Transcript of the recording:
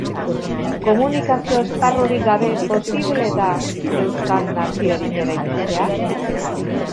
Komunikazio esparrurik gabe, posible da euskal naziorik eraikitzea?